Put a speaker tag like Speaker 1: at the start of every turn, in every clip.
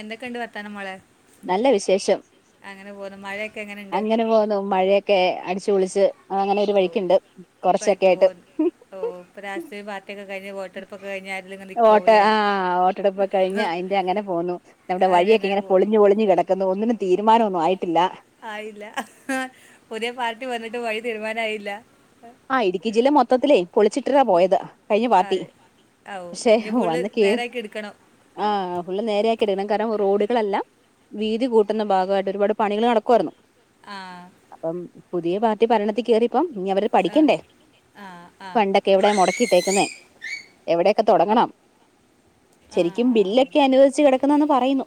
Speaker 1: എന്തൊക്കെണ്ട് വർ [unintelligible]
Speaker 2: നല്ല വിശേഷം
Speaker 1: പോന്നു മഴയൊക്കെ എങ്ങനെയുണ്ട്
Speaker 2: അങ്ങനെ പോന്നു മഴയൊക്കെ അടിച്ച [unintelligible] വിളിച്ച് അ ങ്ങനെ ഒരു
Speaker 1: ഓ
Speaker 2: വഴിക്കിണ്ട്
Speaker 1: ബൈക്ക്
Speaker 2: കൊറച്ചൊക്കായിട്ട്
Speaker 1: പോന്നു [unintelligible] കഴിഞ്ഞ
Speaker 2: വോട്ട് ആ വോട്ടെടുപ്പൊ കഴിഞ്ഞ് അതിന്റെ അങ്ങനെ പോന്നു നമ്മുടെ
Speaker 1: അതിനങ്ങനെ
Speaker 2: വഴിയൊക്കെങ്ങനെ
Speaker 1: പോ
Speaker 2: പൊളിഞ്ഞു പൊളിഞ്ഞു കെടക്കുന്നു ഒന്നിനും തീരുമാനം ഒന്നും ആയിട്ടില്ല
Speaker 1: ആയില്ല ഹ് പുതിയ പാർട്ടി വന്നിട്ട് വഴി തീരുമാനയില്ല
Speaker 2: ആ ഇടുക്കി ജില്ല മൊത്തത്തിലേ പൊളിച്ചിട്ടിരാ പോയത് കഴിഞ്ഞ പാർട്ടി
Speaker 1: ആ ഓ
Speaker 2: പക്ഷെ
Speaker 1: ഇനി പുള്ളി
Speaker 2: വന്ന് കേറി
Speaker 1: നേരാക്കി എടുക്കണം
Speaker 2: ആ ഫുള്ള് നേരാക്കി ഇടണം കാരണം റോഡ് ളെല്ലാം വീതി കൂട്ടുന്ന ഭാഗായിട്ട് ഒരുപാട് പണികൾ നടക്കായിരുന്നു
Speaker 1: ആ
Speaker 2: പുതിയ പാർട്ടി ഭരണത്തിൽക്കേറിപ്പ ഞഅവര്
Speaker 1: ആ
Speaker 2: ക്കണ്ടേ
Speaker 1: ആ ആ
Speaker 2: പണ്ടൊക്കെ എവിടെ മൊടക്കിട്ടേക്കുന്നേ എവിടെയൊക്കെ തൊടങ്ങണം
Speaker 1: ആ
Speaker 2: ശെരിക്കും
Speaker 1: ആ
Speaker 2: ബില്ലൊക്കെ അനുവദിച്ചു കിടക്കുന്നന്ന് പറയുന്നു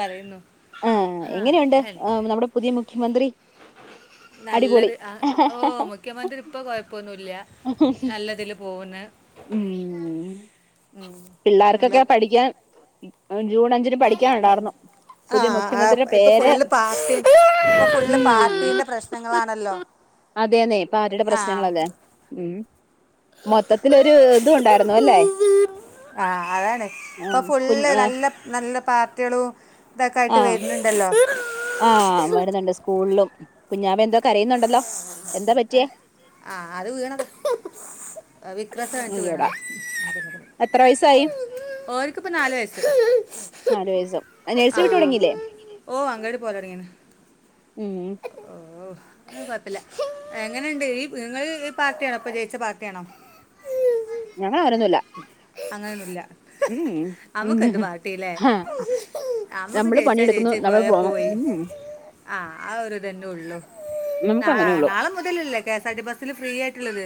Speaker 1: പറയുന്നു
Speaker 2: ആ ഏ
Speaker 1: ആ
Speaker 2: എങ്ങനെയുണ്ട്
Speaker 1: ഹെൽ
Speaker 2: നമ്മുടെ പുതിയ മുഖ്യമന്ത്രി അടിപൊളി
Speaker 1: നല്ലത് ആ ഓ മുഖ്യമന്ത്രി ഇപ്പ കൊയപ്പം പ്പൊന്നുല്ല നല്ലതിൽ പോക്ന്ന്
Speaker 2: ഉം പിള്ളേർക്കൊക്കെ പഠിക്കാൻ ജൂൺ അഞ്ചിന് പഠിക്കാനുണ്ടായിരുന്നു പുതിയ
Speaker 1: ആ
Speaker 2: മുഖ്യമന്ത്രിയുടെ
Speaker 1: ഇപ്പൊ
Speaker 2: പേര്
Speaker 1: ഫുള്ള് പാർട്ടി ഫുള്ള്
Speaker 2: ഉം
Speaker 1: പാർട്ടീന്റെ പ്രശ്നങ്ങളാണല്ലോ
Speaker 2: അതേന്നെ പാർട്ടിയുടെ
Speaker 1: ആ
Speaker 2: പ്രശ്നങ്ങളല്ലേ ഉം മൊത്തത്തിലൊരു ഇത് ഉണ്ടായിരുന്നു ല്ലെ
Speaker 1: ആ അതാണ് ഇപ്പൊ ഫുള്ള് നല്ല നല്ല പാർട്ടികളും തൊക്കെ ആയിട്ട് വര്ണ്ടല്ലോ [inaudible]
Speaker 2: ആ വരുന്നുണ്ട് സ്കൂളിലും കുഞ്ഞാവ എന്തോ കരയുന്നുണ്ടല്ലോ എന്താ പറ്റിയേ
Speaker 1: ആ അത് വീണത് വിക്രസാ കാണിച്ചു
Speaker 2: അയ്യോടാ
Speaker 1: വീണതാ
Speaker 2: എത്ര വയസ്സായി
Speaker 1: ഓനിക്കിപ്പം നാല് വയസ്സ്
Speaker 2: നാല് വയസ്സും നേഴ്സറി
Speaker 1: ആ
Speaker 2: വിട്ട് തുടങ്ങിയില്ലേ
Speaker 1: ഓ ബോലറിയ
Speaker 2: ഉം
Speaker 1: ഓ അയൊന്നും കൊഴപ്പമില്ല എങ്ങനിണ്ട് ഈ നിങ്ങളീ പാർട്ടിയാണോ ഇപ്പൊ ജയിച്ച പാർട്ടിയാണോ
Speaker 2: ഞങ്ങളങ്ങനൊന്നുല്ല
Speaker 1: അങ്ങനൊന്നുമില്ല
Speaker 2: ഉം.
Speaker 1: നമുക്കെന്ത് പാർട്ടില്ലേ നമുക്ക്
Speaker 2: നമ്മള്
Speaker 1: ജെയിച്ചാ
Speaker 2: പണിയെടുക്കുന്നു
Speaker 1: ജയിച്ചു
Speaker 2: നമ്മൾ
Speaker 1: പോയാ
Speaker 2: പോണം
Speaker 1: പോയി
Speaker 2: ഉം
Speaker 1: ആ ആ ഒരിതെന്നെ ഉള്ളു
Speaker 2: നമുക്ക് അങ്ങനെയുള്ളൂ
Speaker 1: നാളെ മുതലല്ലേ കെ എസ് ആർടി ബസ്സിൽ ഫ്രീ ആയിട്ടുള്ളത്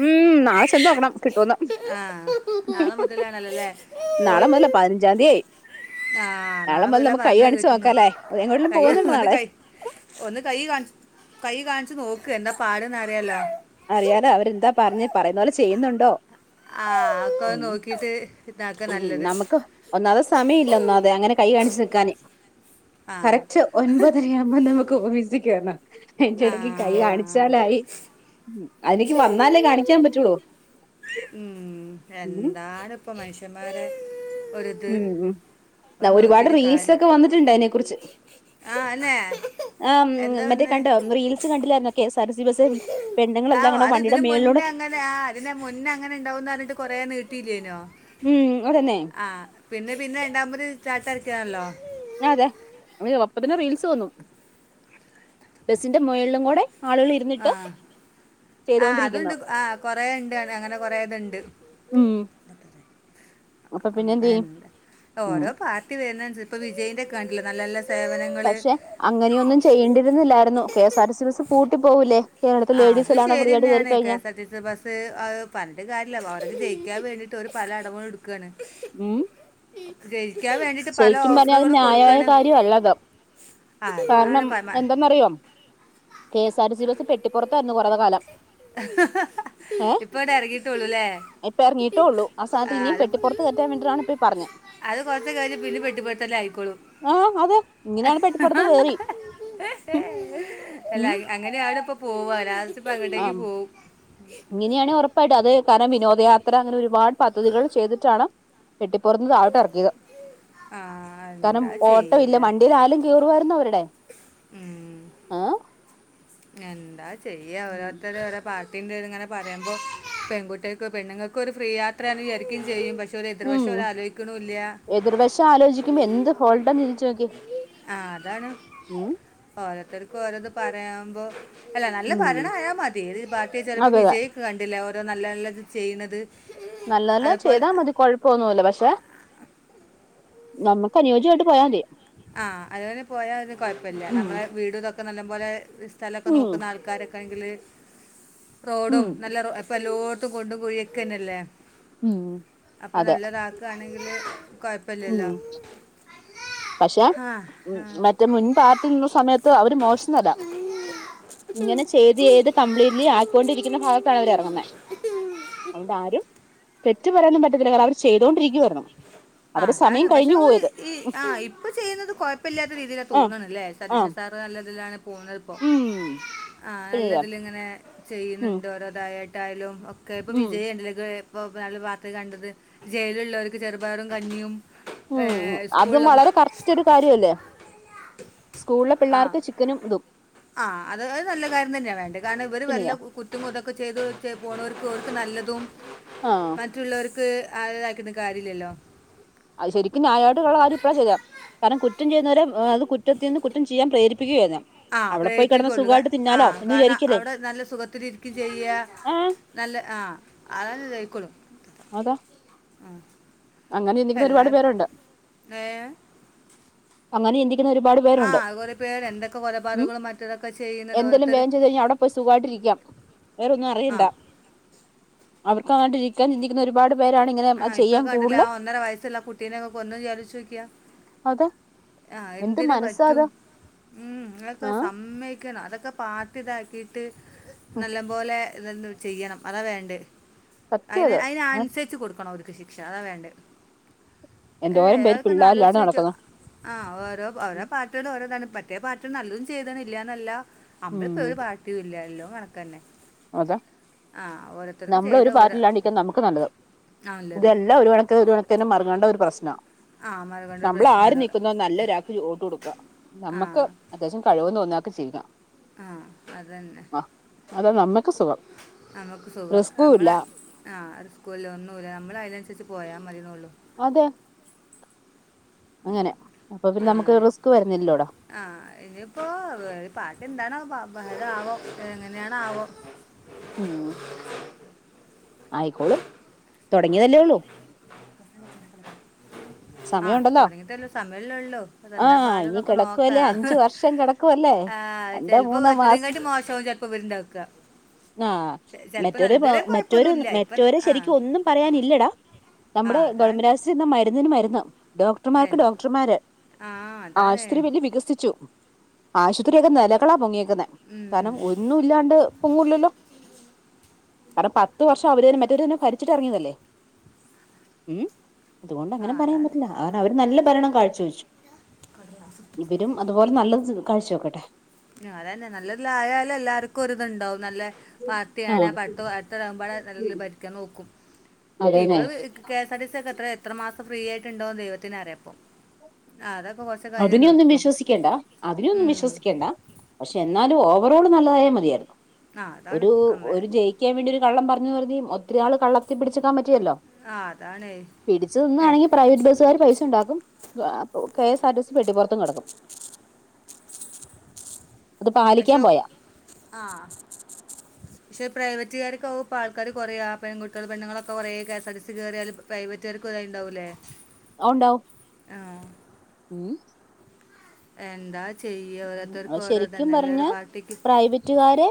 Speaker 2: ഉം നാളെ ചെന്നോക്കണം കിട്ടോന്ന്
Speaker 1: ആ നാളെ മുതലാണല്ലല്ലേ പോയി
Speaker 2: പതിനഞ്ചാം തീയതി
Speaker 1: ആ നാളെ
Speaker 2: മുതൽ
Speaker 1: മുതലേ
Speaker 2: നമുക്ക് കൈ
Speaker 1: പറഞ്ഞ
Speaker 2: കാണിച്ചു
Speaker 1: കേട്ടുന്നു
Speaker 2: നോക്കാല്ലേ എങ്ങോട്ടെങ്കിലും
Speaker 1: കൈ
Speaker 2: പോകുന്നുണ്ടോ
Speaker 1: ഒന്ന്
Speaker 2: നാളെ
Speaker 1: കൈ ഒന്ന് കൈ കാണി കൈ കാണ് കുച്ച് നോക്ക് എന്താ പാടന്ന് അറിയാലോ
Speaker 2: പറഞ്ഞാ പറയുന്ന പോലെ ചെയ്യുന്നുണ്ടോ
Speaker 1: ആ
Speaker 2: ഉം.
Speaker 1: അക്കൊന്നുനോക്കീട്ട്
Speaker 2: ഉം നമുക്ക് ഒന്നാമതെ സമയം ഇല്ല ഒന്നാമതെ അങ്ങനെ കൈ കാണിച്ച് നിക്കാന്
Speaker 1: ആ
Speaker 2: കറക്റ്റ് ഒൻപതര ആവുമ്പം നമു ക്ക് ബെസിക്കേറണം
Speaker 1: ആ
Speaker 2: അയിന്റിടക്ക് കൈ കാണിച്ചാലായി അനിക്ക് വന്നാലേ കാണിക്കാൻ പറ്റൂള്ളൂ
Speaker 1: എന്താണ് മനുഷ്യമാരെ
Speaker 2: ഉ ഉ ഒരുപാട് റീൽസ്
Speaker 1: കാര്യം
Speaker 2: ഒക്കെ വന്നിട്ടുണ്ട് അതിനെ കുറിച്ച്
Speaker 1: ആ അല്ലേ
Speaker 2: ആ
Speaker 1: എന്താ
Speaker 2: മറ്റേ
Speaker 1: ഒന്ന്
Speaker 2: കണ്ടോ റീൽസ് കണ്ടില്ലാരുന്നോ K S R T C bus
Speaker 1: ആ
Speaker 2: പെണ്ണുങ്ങളെല്ലാം കൂടെ
Speaker 1: അത്
Speaker 2: വണ്ടിയുടെ
Speaker 1: ഇതിന്
Speaker 2: മേളിലൂടെ
Speaker 1: മുന്നേ അങ്ങനെ ആ അതിന്റെ മുന്നേ അങ്ങനെ ഇണ്ടാവന്ന് പറഞ്ഞിട്ട് കൊറേ നീട്ടിയില്ലേനോ
Speaker 2: ഉം അതന്നെ
Speaker 1: ആ പിന്നെ പിന്നെ രണ്ടാമത് സ്റ്റാർട്ട് അക്കാല്ലോ
Speaker 2: ആ അതെ ഒപ്പ തന്നെ റീൽസ് വന്നു ബസിന്റെ മേളിലും കൂടെ ആളുകൾ
Speaker 1: ആ
Speaker 2: ഇരുന്നിട്ട്
Speaker 1: ആ
Speaker 2: ചെയ്തോണ്ടിരിക്കുന്നു
Speaker 1: അതുണ്ട് ആ കൊറേണ്ട് അങ്ങനെ കൊറെ ഇതുണ്ട്
Speaker 2: ഉം അപ്പൊ പിന്നെ എന്ത് ചെയ്യും ഉം
Speaker 1: ഓരോ പാർട്ടി വരുന്നനൾതനുസരിച് ഇപ്പൊ വിജയിന്റെ കണ്ടില്ലേ നല്ലനല്ല സ്
Speaker 2: പക്ഷെ അങ്ങനെയൊന്നും ചെയ്യേണ്ടിരുന്നില്ലായിരുന്നു K S R T C bus പൂട്ടി പോവൂല്ലേ
Speaker 1: ആ അത് ശരി തന്നെയാണ് K S R T C bus അത് പറഞ്ഞിട്ട് കാര്യാല്ല അവര്ക്ക് ജയിക്കാൻ വേണ്ടി ട്ട് പല അടവുകളും എടുക്കാണ്
Speaker 2: ഉം
Speaker 1: ഗ
Speaker 2: ശരിക്കും പറഞ്ഞാൽ അത് ന്യായമായ കാര്യം അല്ലത്
Speaker 1: അതാണ്
Speaker 2: കാരണം
Speaker 1: പ-
Speaker 2: എന്തെന്നറിയോ K S R T C bus പെട്ടിപ്പുറത്ത് കുറയുന്ന കാലം ഏഹ്
Speaker 1: ഇപ്പടെ ഇറങ്ങിട്ടള്ളൂല്ലേ
Speaker 2: ഇപ്പൊ ഇറങ്ങിയിട്ടേ ഉള്ളൂ സ്ഥാനത്ത്
Speaker 1: ആ
Speaker 2: ഇനിയും
Speaker 1: അത്
Speaker 2: പെട്ടിപ്പുറത്ത് കയറ്റാൻ വേണ്ടിയിട്ടാണ് ഇപ്പൊ ഈ പറഞ്ഞത്
Speaker 1: അത് കൊറച്ച കഴിഞ്ഞഞ് പിന്നെ പെട്ടിപറത്തല്ലേ ആയിക്കോളും
Speaker 2: ആഹ് അതെ ഇങ്ങനെയാണ് പെട്ടിപ്പുറത്ത് വേറി
Speaker 1: അല്ലാ
Speaker 2: ഉം
Speaker 1: അങ്ങനെയാണ് പ്പ പോവരാ പ്പട [unintelligible] [inaudible]
Speaker 2: ഇങ്ങനെയാണ ഉറപ്പായിട്ട് അത് കാരണം വിനോദ അത്ര അങ്ങനെ ഒരുപാട് പദ്ധതികൾ ചെയ്തിട്ടാണ് പെട്ടിപ്പുറത്തുന്നു ഇറക്കിയത്
Speaker 1: ആ
Speaker 2: കാരണം
Speaker 1: എന്താ
Speaker 2: ഓട്ടം ഇല്ല മണ്ടിൽ ആാലും കീറുർ ഇ അവരുടെ
Speaker 1: ഉ
Speaker 2: ആഹ്
Speaker 1: എന്താ ചെയ്യാം
Speaker 2: ഉം
Speaker 1: ഓരോത്തര പാട്ട ഇങ്ങനെ പറയുമ്പോ പെൺകുട്ടികക്ക് പെണ്ങ്ങൾക്ക് ഒരു ഫ്രീ യാത്രയാണ് വിചാരിക്കും ചെയ്യും പക്ഷെ- ഒരു
Speaker 2: ഉം
Speaker 1: എതിർവശം ഒരു ആലോചിക്കണമില്ല
Speaker 2: എതിർവശം ആലോചിക്കുമ്പോ എന്ത് ഫോൾട്ടാണ് ചിന്തിച്ചു നോക്കിയെ
Speaker 1: ആ അതാണ് ഓരത്തർ ഓരോന്ന് പറയാുമ്പോ അല്ല നല്ല
Speaker 2: ഉം
Speaker 1: ഭരണയാൽ മതി പാർ ട്ടിയെ ചിലപ്പോ
Speaker 2: അതെ അതെ
Speaker 1: വിജയിക്ക് കണ്ടില്ല അതോ നല്ല നല്ലത് ചെയ്യണുന്നത്
Speaker 2: നല്ലതല്ല ചെയ്താൽ മതി കൊഴപ്പൊന്നുമല്ല പക്ഷെ നമ്മുക്ക് അനുയോജ്യമായിട്ട് പോയാൽ മതി
Speaker 1: ആഹ അതുെ പോയാ അന് കൊഴപ്പമില്ല
Speaker 2: ഉം
Speaker 1: നമ്മളെ വീടൊക്ക ഒക്കെ നല്ല പോലെ സ്ഥലൊക്കെ
Speaker 2: ഉം
Speaker 1: നോക്ക ആൾക്കാരൊെ തങ്കിലേ [unintelligible]
Speaker 2: ഉം
Speaker 1: റോഡും നല്ല ലോഡ കൊണ്ടു പോയി വെക്കനല്ലേ
Speaker 2: ഉം
Speaker 1: അപ്പൊ
Speaker 2: അതെ
Speaker 1: നല്ലതാക്കണെങ്കിൽ [unintelligible] കുഴപ്പില്ലല്ലോ
Speaker 2: പക്ഷേ മറ്റേ മുൻ പാർട്ടി നിന്ന സമയത്ത് അവര് മോശന്നും അല്ല ഇങ്ങനെ ചെയ്ത് ചെയ്ത് കംപ്ലീറ്റ്ലി ആയിക്കൊണ്ടിരിക്കുന്ന ഭാഗത്താണ് അവര് ഇറങ്ങുന്നേ
Speaker 1: ഉം
Speaker 2: അതുകൊണ്ട് ആരും - തെറ്റ് പറയാനും പറ്റതില്ല കാരണംഅവര് ചെയ്തോണ്ടിരിക്കുവായിരുന്നു
Speaker 1: ആ
Speaker 2: അവര്
Speaker 1: അതാണ്
Speaker 2: സമയം
Speaker 1: പക്ഷെ
Speaker 2: കഴിഞ്ഞു
Speaker 1: ഒരു
Speaker 2: പോയത്
Speaker 1: ഈ ആ ഇപ്പൊ ചെയ്യുന്നത് കൊഴപ്പമില്ലാത്ത
Speaker 2: ആഹ്
Speaker 1: രീതിയിലാന്ന്തോന്ന്ണ്ല്ലേ സതീഷൻ
Speaker 2: ആഹ്
Speaker 1: സാറ് നല്ലതിലാണ് പോവുന്നതപ്പം
Speaker 2: ഉം
Speaker 1: ആ നല്ലതില്ങ്ങനെ
Speaker 2: ഉം
Speaker 1: ചെയ്യുന്നുണ്ട് ഓരോതായാ എന്തായാലും ഒക്ക പ്പൊ വിജയണ്ട് ലേ [unintelligible] ഇപ്പോ നല്ല വാർത്തേ കണ്ടത് ജയിലുള്ളവർക്ക് ചെറുപയറും കഞ്ഞിയും
Speaker 2: ഉം അതും
Speaker 1: സ്കൂളിലെ കുട്ടി
Speaker 2: വളരെ കറക്റ്റ് ഒരു കാര്യല്ലേ സ്കൂളിലെ
Speaker 1: ആ
Speaker 2: പിള്ളേർക്ക് ചിക്കനും ഇതും
Speaker 1: ആ അത് നല്ല കാര്യം തന്നെയാ വേണ്ടത് കാരണം ഇവര് വല്ല
Speaker 2: പിന്നെല്ലേ
Speaker 1: കുറ്റു തൊക്കെ ചെയ്ത് വച്ച് പോണോർക്ക് അവർക്ക് നല്ലതും
Speaker 2: ആഹ്
Speaker 1: മറ്റുള്ളവർ ക്ക്ആര്താകീട്ടും കാര്യല്ലല്ലോ
Speaker 2: അത് ശരിക്കും ഞായ മായിട്ടുള്ള കാര്യം ഇപ്പഴാ ചെയ്തേ കാരണം കു കുറ്റം ചെയ്യുന്നവരെ അത് കുറ്റത്തിൽ നിന്ന് കുറ്റം ചെയ്യാൻ പ്രേരി
Speaker 1: ആ അപ്പ പേടിപ്പിക്കുള്ളൂ ആ
Speaker 2: തിന്നാലോ എന്ന്
Speaker 1: കാരണം
Speaker 2: വിചാരിക്കല്ലേ
Speaker 1: അവിടെ നല്ല സുഖത്തി ഇരിക്കും ചെയ്യ
Speaker 2: ആഹ്
Speaker 1: നല്ല ആ തന്നെ ദഹിക്കോളും
Speaker 2: ആതാ
Speaker 1: ആ
Speaker 2: അങ്ങനെ ചിന്തിക്കുന്നരുപാട് പേരുണ്ട്
Speaker 1: ഏ
Speaker 2: അങ്ങനെ ചിന്തി ഒരുപാട്
Speaker 1: ആ
Speaker 2: പേരുണ്ട്
Speaker 1: കുറേ പേര് എന്തൊക്കെ
Speaker 2: ഉം
Speaker 1: കൊലപാതകങ്ങളും മറ്റതൊക്കെ ചെയ്യുന്നത്
Speaker 2: എന്തെലും
Speaker 1: ഓരോരുത്തർ
Speaker 2: വേചെയ്ത് കഴിഞ്ഞാൽഅവിടെ പോയി സുഖായിട്ടിരിക്ക വേറൊന്നും
Speaker 1: ആ
Speaker 2: അറിയണ്ട കൊണ്ടിരിക്കാൻ ചിന്തിക്കുന്ന ഒരുപാട് പേരാണ് ഇങ്ങനെ അഹ് ചെയ്യാൻ
Speaker 1: ലേ ആ
Speaker 2: കൂടുതലും
Speaker 1: ഒന്നര വയസുള്ള കുട്ടീനെക്കെ കൊന്ന വിച്ചാരിച്ചോക്യ
Speaker 2: അത്
Speaker 1: ആ
Speaker 2: എന്ത്
Speaker 1: എന്തിന്
Speaker 2: മനസ്സാ
Speaker 1: പറ്റൂ
Speaker 2: അത്
Speaker 1: ഉം അഒക്കെ
Speaker 2: ആ
Speaker 1: സമ്മയിക്കണം അതൊക്കെ ഇതാക്കിയിട്ട് നല്ല പോലെ തെന്നുചെയ്യണം അതാ വേണ്ടേ
Speaker 2: സത്യം
Speaker 1: അയിന്
Speaker 2: അത്
Speaker 1: അയിനനുസരിച്ചച്ച് കൊടുക്ക കണം അവർക്ക് ശിക്ഷ അതാ വേണ്ടേ അല്ലെ
Speaker 2: എന്തോരം പേര്
Speaker 1: അതെക്കെ ആ
Speaker 2: പിള്ളേരിലാണ്
Speaker 1: ആലോചിച്ചേ
Speaker 2: നടക്കുന്നത്
Speaker 1: ഒരേ ഓരോ പാർട്ടിടെ ഓരോ [unintelligible] മറ്റേ പാർട്ടി നല്ലതും ചെയ്തണില്ലന്നല്ല നമ്മളിപ്പോ ഒരു പാർട്ടിയും ഇല്ലല്ലോ കണക്കന്നെ
Speaker 2: അത്
Speaker 1: ചെയ്ത
Speaker 2: നമ്മളൊരു
Speaker 1: ഓരോ
Speaker 2: പാർട്ടില്ലാണ്ടരിക്ക നമുക്ക് നല്ലത്
Speaker 1: ആ നല്ലത്
Speaker 2: ഇതല്ലാം ഒരു വണക്ക ഒരുണക്ക വേണ്ട ഒരു പ്രശ്നം
Speaker 1: ആ മരം കൊണ്ടൊരു
Speaker 2: നമ്മൾ ആര്
Speaker 1: പ്രശ്നമാണ്
Speaker 2: നിക്കുന്നതു നല്ലൊരാക്ക് വോട്ട് കൊടുക്ക
Speaker 1: ആ
Speaker 2: നമ്മക്ക് അത്യാവശ്യം കഴി [unintelligible] ന്ന് തോന്ന ഒക്കെ ചെയ്യുക
Speaker 1: ആ അതന്നെ
Speaker 2: അതാ നമുക്ക് സുഖം
Speaker 1: നമക്ക് സുഖം
Speaker 2: റിസ്കും ഇല്ല
Speaker 1: നമ്മളെ ആ ഒരു സ്കൂല ഒന്നൂല്ല നമ്മള് അയ്നൻസരിച്ച് പോയാ മതിന്നൊള്ളൂ
Speaker 2: അതെ അങ്ങനെ അപ്പൊ പിന്നെ നമുക്ക് റിസ്ക് വരുന്നില്ലോട
Speaker 1: ആ ഇനിയിപ്പോ പാർട്ടിഎന്തണാ ബ ഭേദം ആ വം എങ്ങനേണാവോ
Speaker 2: ഉം ആയിക്കോളും തൊടങ്ങിയതല്ലേ ഉള്ളൂ
Speaker 1: ആ
Speaker 2: സമയമുണ്ടല്ലോ
Speaker 1: തൊടങ്ങിട്ടള്ളു സമയല്ലെഉള്ളൂ അതെന്താ
Speaker 2: ആഹ് ഇനി
Speaker 1: പാടന്നൊക്കെ നോക്ക
Speaker 2: കിടക്കുവല്ലേ അഞ്ചു വർഷം കിടക്കുവല്ലേ
Speaker 1: ആ
Speaker 2: രണ്ടോ
Speaker 1: ചെല്‌പ്പോ
Speaker 2: മൂന്നോ മാസം
Speaker 1: പറ്റതു [unintelligible] മോശവും ചെലപ്പോ വരണ്ടാക്ക
Speaker 2: ആഹ്
Speaker 1: ചെപ്പോ നല്ലതുരെ കൊഴപ്പൊന്നുല്ല
Speaker 2: റ്റോരെ ശരിക്കും ഒന്നും പറയാനില്ലടാ
Speaker 1: ആ
Speaker 2: നമ്മുടെ
Speaker 1: അതാണ്
Speaker 2: ഗൾമരാസ നിന്ന് മരുന്ന് മരു ന ഡോക്ടർമാർക്ക്
Speaker 1: എൻ-
Speaker 2: ഡോക്ടർമാര്
Speaker 1: ആ അതാണ്
Speaker 2: ആശുത്രി വല്യ വികസിച്ചു ആശുത്രിയൊക്കെ നെലകളാ പൊങ്ങിയേ തന്നെ
Speaker 1: ഉം.
Speaker 2: കാർണം ഒന്നും ഇല്ലാണ്ട് പൊങ്ങുല്ലല്ലോ കാരണം പത്ത് വർഷം അവര് നെ മറ്റേരു ന്നെ ഭരിച്ചിട്ട എറങ്ങിയതല്ലേ ഉം അതുകൊണ്ട്
Speaker 1: ആ
Speaker 2: അങ്ങനെ പറയാൻ
Speaker 1: അതാണ്
Speaker 2: പറ്റില്ല കാരണം അവര് നല്ല ഭരണം കാ ചോയ്ച്ചു ഇവരും അതുപോലെ നല്ല കാഴ്ച വെയ്ക്കട്ടെ
Speaker 1: അതന്നെ നല്ലത്‌ല ആയാല് എല്ലാർക്കു ഒരിത്ണ്ടാവു നല്ല പാർട്ടിയാണ്
Speaker 2: ആഹ്
Speaker 1: അപ്പ അടുത്തടകുമ്പോടെ നല്ല രീതിയിൽ ഭരിക്കാൻ നോക്കും
Speaker 2: അതന്നെ
Speaker 1: ഇപ്പത് K S R T C ഒക്കെത്രേ എത്ര മാസം ഫ്രീ ആയിട്ട് ഉണ്ടോന്ന് ദൈവത്തിനറിയപ്പം ആ അത
Speaker 2: അതിനെയൊന്നും വിശ്വസികെണ്ട അതിനെയൊന്നും
Speaker 1: ഉം.
Speaker 2: വിശ്വസിക്കണ്ട പക്ഷെ എന്നാലും ഓവറോള് നല്ലതായ മതിയായിരുന്നു
Speaker 1: ആ അതാണ്
Speaker 2: ഒരു
Speaker 1: അമ്മ
Speaker 2: ഒരു ജയിക്കാൻ വേണ്ടി ഒരു കള്ളം പറഞ്ഞു കരുതി ഒത്തിരി നാള് കള്ളത്തി പിടിച്ചിക്കാൻ പ റ്റില്ലല്ലോ
Speaker 1: ആ അതാണ്
Speaker 2: പിടിച്ചു
Speaker 1: ഏ
Speaker 2: നിന്നാണെ പ്രൈവറ്റ് ബസുകാർ പൈസ ഉണ്ടാക്കും ഓ K S R T C പെട്ടിപുറത്തും കിടക്കും അത്
Speaker 1: പക്ഷെ
Speaker 2: പാലിക്കാൻ പോയാ
Speaker 1: ആ ക്ഷെ പ്രൈവറ്റുകാർക്കാവും ഇപ്പോൾആൾക്കാര് കുറയാ പെൺകുട്ടികൾ പെണ്ണുങ്ങൾ കുറേ K S R T C കയറിയാല് പ്രൈവറ്റുകാർ ഇതായി ഉണ്ടാവൂലെ
Speaker 2: ആ ഉണ്ടാവും ഉം
Speaker 1: എന്താ ചെയ്യുക
Speaker 2: അ
Speaker 1: ഓരോരുത്തർക്ക് ഓരോ
Speaker 2: ശരിക്കും
Speaker 1: തന്നെ
Speaker 2: പറഞ്ഞാ
Speaker 1: എല്ലാവരും പാർട്ടിക്ക്
Speaker 2: പ്രൈവറ്റുകാരെ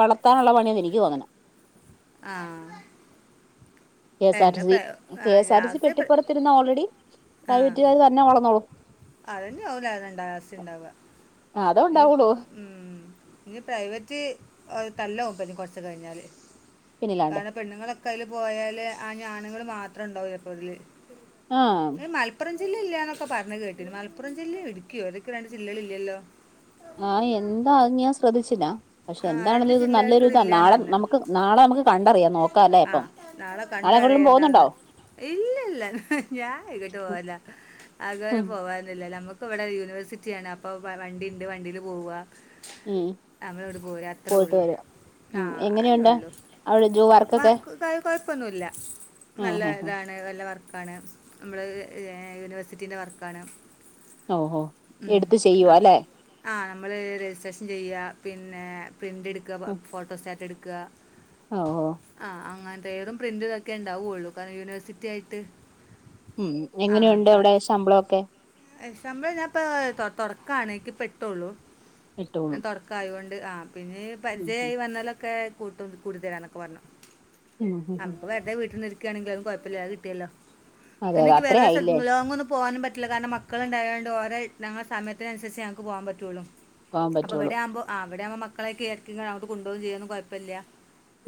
Speaker 2: വളർ ത്താനുള്ള പണിയാന്ന് എനിക്ക് തോന്നണെ
Speaker 1: ആ
Speaker 2: കെ എസ് ആർ ടി
Speaker 1: എന്നെ
Speaker 2: സി
Speaker 1: പ്ര- ആ
Speaker 2: K S R T C
Speaker 1: last പ്ര-
Speaker 2: പെട്ടിപ്പുറത്തിരുന്ന ഓൾറെഡി പ്രൈവറ്റ് കാര് തന്നെ വളന്നോളൂ
Speaker 1: അതന്നെയാവും [unintelligible] ഉണ്ടാവുക
Speaker 2: അതേ ഉണ്ടാവുള്ളൂ
Speaker 1: ഉം ഇനി പ്രൈവറ്റ് തല്ല ഉമ്പോ ഇനി കൊറച്ച് കഴിഞ്ഞാല്
Speaker 2: പിന്നിലാണ്ട്
Speaker 1: കാരണം പെണ്ണുങ്ങളൊ കയ്യില് പോയാല് ആ ആണുങ്ങള് മാത്രം ഉണ്ടാവൂ എപ്പോതില്
Speaker 2: ആ
Speaker 1: ജില്ലാലെക്കെ പറഞ് കേട്ടിര്ന്ന് മലപ്പുറം ജില്ലയ ഇടിക്കിയോ എതൊക്കെ രണ്ട് ജില്ലകളില്ലല്ലോ
Speaker 2: ആഹ് എന്താ അത് ഞാൻ ശ്രദ്ധിച്ചില്ല പക്ഷെ
Speaker 1: ആ രണ്ട്
Speaker 2: എന്താണേലും ഇത് നല്ലൊരു
Speaker 1: ജില്ലകൾക്ക്
Speaker 2: ഇതാ
Speaker 1: ഇതില്ല എന്ന്
Speaker 2: നാളെ
Speaker 1: പറഞ്ഞു
Speaker 2: നമുക്ക് നാളെ നമുക്ക് കണ്ടറിയാം നോക്കാല്ലേ
Speaker 1: ആ
Speaker 2: അപ്പം
Speaker 1: നാളെ കണ്ട അറിയം
Speaker 2: എങ്ങോട്ടേലും
Speaker 1: എന്താന്ന്
Speaker 2: പോകുന്നുണ്ടോ
Speaker 1: ഇല്ല ഇല്ല ഞാൻ ആകോട്ട് പോവല്ല
Speaker 2: ഉം
Speaker 1: അതുലും പോവനി നമുക്ക് ഇവിടെ യൂണിവേഴ്സിറ്റിയാണ് അപ്പൊ വണ്ടി ഉണ്ട് വണ്ടില് പോവുക
Speaker 2: ഉം
Speaker 1: നമ്മളവിട് പോര അത്രേ
Speaker 2: പോയിട്ട്
Speaker 1: ഉള്ളു
Speaker 2: വരാം
Speaker 1: ആ
Speaker 2: ഉം എങ്ങനെയുണ്ട്
Speaker 1: അതള്ളു
Speaker 2: അവിടെ ജോ
Speaker 1: വാ
Speaker 2: വർക്കൊക്കെ
Speaker 1: കൊ കൊഴപ്പൊന്നുവില്ല
Speaker 2: ഉം
Speaker 1: നല്ല
Speaker 2: ഉം ഉം
Speaker 1: ഇതാണ് നല്ല വർക്കാണ് നമ്മള് യൂണിവേഴ്സിറ്റീന്റെ വർക്കാണ്
Speaker 2: ഓഹോ
Speaker 1: ഉം.
Speaker 2: എടുത്ത് ചെയ്യുവ
Speaker 1: അ-
Speaker 2: ല്ലെ
Speaker 1: ആ നമ്മൾ രജിസ്ട്രേഷൻ ചെയ്യുക പിന്നെ പ്രിന്റ് എടുക്കുക
Speaker 2: ഉം
Speaker 1: ഫോട്ടോസ്റ്റാറ്റ് എടു ക്ക
Speaker 2: ഓഹോ
Speaker 1: ആ അങ്ങന വേറും പ്രിന്റ്തൊക്കെ ഉണ്ടാവയുള്ളൂ കാരണം യൂണിവേഴ്സിറ്റി ആയിട്ട്
Speaker 2: ഉം എങ്ങനെയുണ്ട് അവിടെ ശമ്പളൊക്കെ
Speaker 1: എ ശമ്പളം ഞാൻപ്പ തൊ തൊടക്കാണ് എക്ക് പ്പൊ ട്ടൊള്ളൂ ൻ
Speaker 2: ഇട്ടോളും
Speaker 1: തുടക്കായോ ആ പിന്നെ
Speaker 2: ഉം ഉം
Speaker 1: പരിചയായി വന്നാലൊക്കെ കൂട്ടും കുടുതര വ
Speaker 2: ഉം
Speaker 1: [unintelligible]
Speaker 2: ഉം ഉം
Speaker 1: നമുക്ക് വെറുതെ വീട്ടിൽന്ന് ഇ [unintelligible] ങ്കിലും അത് കുഴപ്പില്ലാത കിട്ടിയല്ലോ
Speaker 2: അതെ
Speaker 1: പിന്നെ
Speaker 2: അതെ
Speaker 1: എക്ക്
Speaker 2: അത്രേ
Speaker 1: വേറെ
Speaker 2: ആയില്ലേ
Speaker 1: സ്ഥല ലോ ഒന്ന് പോവാനും പറ്റ [unintelligible] ല കാരണം മക്കളുണ്ടായൊണ്ട് ഓരേ ഞങ്ങളെ സമയത്തിനുസരിച് ഞങക്ക് പോവാൻ പറ്റുള്ളു
Speaker 2: പോകാൻ
Speaker 1: അപ്പൊ
Speaker 2: പറ്റുള്ളൂ
Speaker 1: വിടെയാവുമ്പോ ആ ഇവിടെയാമ്പൊ മക്കളെകെ ഇടക്കങ്ങനെ അട്ടോ കൊണ്ടോകും ചെയ്യന്നു കുയപ്പില്ല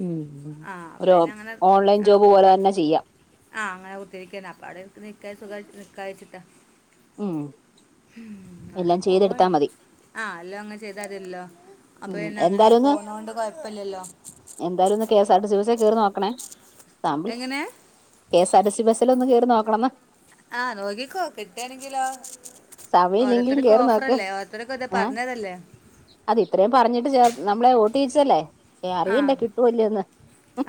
Speaker 2: ഉം ഉം
Speaker 1: ആ
Speaker 2: ഒരു
Speaker 1: അപ്പൊന്നങ്ങനെ
Speaker 2: ഓൺലൈൻ ജോബ് പോലെ തന്നെ ചെയ്യാം
Speaker 1: ആ അങ്ങനെ ഒത്തിരിക്കന്നെ അപ്പൊ അവിടെ ക്ക സുഖ [unintelligible] ചിട്ട
Speaker 2: ഉം
Speaker 1: ആ
Speaker 2: എല്ലാം
Speaker 1: പോ
Speaker 2: ചെയ്തെടുത്താ മതി
Speaker 1: ആ അല്ലോ അങ്ങെ ചെയ് [unintelligible] തില്ലോ അപ്പൊ
Speaker 2: ഉം
Speaker 1: പിന്നെ അങ്ങനെ
Speaker 2: എന്തായാലും ഒന്ന്
Speaker 1: പോന്നൊണ്ട് കൊഴപ്പില്ലല്ലോ
Speaker 2: എന്തായാലും ഒന്ന് K S R T C ബസേ കേറി നോക്കണേ സാമ്പി
Speaker 1: എങ്ങനെ
Speaker 2: കെസാർടിസി ബസ്സിലൊന്ന് കേറി നോക്ക [unintelligible]
Speaker 1: ആ നോക്കിക്കോ കിട്ടാണെങ്കിലോ
Speaker 2: സമയമില്ലെങ്കിലും
Speaker 1: ഓരോത്തർക്ക്
Speaker 2: കേറി നോക്ക്
Speaker 1: ഓഫറല്ലേ ഓരോത്തർക്ക് ഇത പറഞ്ഞതല്ലേ
Speaker 2: റഞ്ഞിട്ട് ച നമ്മളെ ഓട്ടിച്ചല്ലേ
Speaker 1: ആ
Speaker 2: അറിയണ്ടേ കിട്ടുവല്ലേന്ന്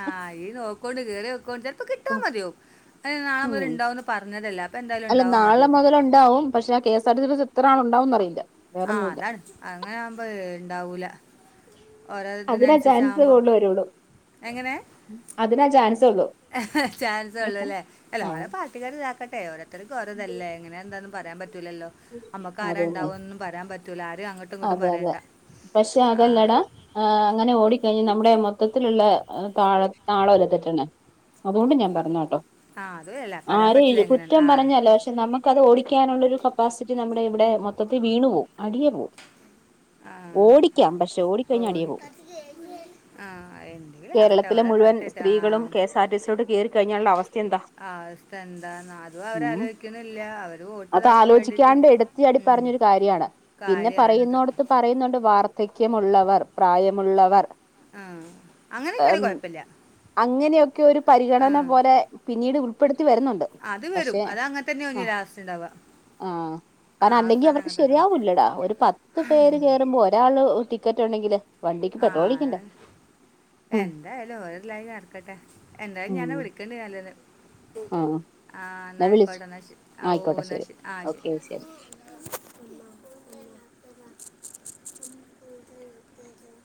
Speaker 1: ആ ഈ നോക്കോണ്ട് കേറി വോക്കോണ്ട് ചെപ്പോ കിട്ടാ മതിയാകും [unintelligible]
Speaker 2: ഉം
Speaker 1: മുതല് ണ്ടാവന്ന് പറഞ്ഞതല്ല
Speaker 2: അല്ല നാളെ മുതലുണ്ടാവും പക്ഷെ കെസാർടിസി ബസ് എത്ര ആളു ണ്ടാവും അറിയില്ല
Speaker 1: ആ
Speaker 2: വേറൊന്നുല്ല
Speaker 1: അതാണ് അങ്ങനെ ആവുമ്പോ ഇണ്ടാവൂല
Speaker 2: അതിനാ ചാൻസ് കൂടുവരുള്ളൂ
Speaker 1: എങ്ങനെ
Speaker 2: അതിനാ ചാൻസ് ഉള്ളു
Speaker 1: ചാൻസ് ഉള്ളൂല്ലേ അല്ല ഓരോ പാർട്ടിക്കാർ ഇതാക്കട്ടെ ഓരോത്താരിക്കും ഓരോ ഇതല്ലേ എങ്ങനെ എന്താ ന്ന് ഒന്നും പറയാൻപറ്റ് പറ്റുല്ലല്ലോ നമ്മുക്ക് ആരാ
Speaker 2: അതന്നെ
Speaker 1: ണ്ടാവോന്നും പറയാൻ പറ്റൂല ആര് അങ്ങ
Speaker 2: അതെ അതെ പക്ഷെ അതെല്ലടാ അങ്ങനെ ഒ ഓടിക്കഴിഞ്ഞ നമ്മുടെ മൊത്തത്തിലുള്ള താഴ താളം അല്ലേ തെറ്റണെ അതുകൊണ്ട് ഞാൻ
Speaker 1: ആ,
Speaker 2: പറഞ്ഞട്ടോ
Speaker 1: ആ അതും അല്ല പറയാൻ പറ്റില്ല
Speaker 2: ആരെയും
Speaker 1: എങ്ങനെയാണ്
Speaker 2: കുറ്റം
Speaker 1: ആ
Speaker 2: പറഞ്ഞല്ലോ പക്ഷെ നമ്മക്കത് ഓടി ടിക്കാനുള്ളൊരു കപ്പാസിറ്റി നമ്മുടെ ഇവിടെ മൊത്തത്തിൽ വീണ് പോവും അടിയെ പോവും
Speaker 1: ആഹ്
Speaker 2: ഓടിക്കാം പക്ഷെ ഓടിക്കഴിഞ്ഞാൽ അടിയെ
Speaker 1: ഓടി
Speaker 2: പോവും
Speaker 1: ആഹ് എന്തെങ്കില്ലവട്ടെ
Speaker 2: കേരളത്തിലെ
Speaker 1: അവരെ
Speaker 2: മുഴുവൻ
Speaker 1: തട്ടിട്ട്
Speaker 2: സ്ത്രീകളും
Speaker 1: ആഹ്
Speaker 2: കെ എസ് ആർ ടി സിയിലോട്ട് [unintelligible]
Speaker 1: അവസ്ഥ എന്താ അതും അവര്
Speaker 2: ഉം
Speaker 1: ആലോക്കാണില്ല അവര് വോട്ട്
Speaker 2: അത്
Speaker 1: ഇതാക്കാൻ വേണ്ടിട്ട്
Speaker 2: ആലോചിക്കാണ്ട് എടുത്ത് ചാടി
Speaker 1: ഉം
Speaker 2: പറഞ്ഞൊരു കാര്യാണ് പിന്നെ
Speaker 1: കാര്യ
Speaker 2: പറയുന്നോടത്ത് പറയുന്നുണ്ട് വാർ ധക്യമുള്ളവർ പ്രായമുള്ളവർ
Speaker 1: ആ
Speaker 2: അം
Speaker 1: അങ്ങനെയൊക്കെയാണെങ്കിൽ കുഴപ്പമില്ല
Speaker 2: അങ്ങനെയൊക്കെ ഒരു
Speaker 1: ആ
Speaker 2: പരിഗണന പോലെ പിന്നീട് ഉൾ റ്റ് വരുന്നോണ്ട്
Speaker 1: അത് വരും
Speaker 2: പക്ഷെ
Speaker 1: അത് അങ്ങനെ തന്നെ ഒന്ന്
Speaker 2: ആഹ്
Speaker 1: ലാസ്റ്റ് ഉണ്ടാവുക
Speaker 2: ആഹ്
Speaker 1: ആ
Speaker 2: കാരണം അല്ലെങ്കി
Speaker 1: അവസാനം
Speaker 2: അവർക്ക്
Speaker 1: അങ്ങനെ തന്നെ ഉണ്ടാവുക.
Speaker 2: ശരിയാവൂല്ലടാ ഒരു പത്ത് പേര് കേയറുമ്പോൾ ഒരാള് [unintelligible] ടിക്കറ്റ് ഉണ്ടെങ്കില്ല്
Speaker 1: ആഹ്
Speaker 2: ഉം
Speaker 1: എന്തായാലും വേറെല്ലായും നടക്കട്ടെ എന്തായാലും ഞാന്നെ
Speaker 2: ഉം
Speaker 1: വിളിക്കേണ്ട നല്ലന്ന്
Speaker 2: ആ
Speaker 1: ആഹ്
Speaker 2: എന്നാ വിളിച്ച്
Speaker 1: എന്നായിക്കോട്ടെ എന്നാ ശെരി ആ ഓ
Speaker 2: ആയിക്കോട്ടെ
Speaker 1: എന്നാ
Speaker 2: ശരി
Speaker 1: ശെരി ആഹ്
Speaker 2: ഓക്കെ
Speaker 1: ശരി ഉം.